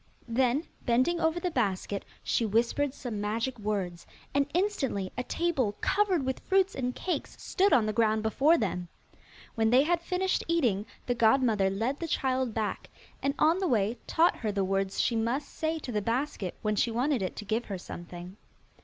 Then, bending over the basket, she whispered some magic words, and instantly a table covered with fruits and cakes stood on the ground before them. When they had finished eating, the godmother led the child back, and on the way taught her the words she must say to the basket when she wanted it to give her something.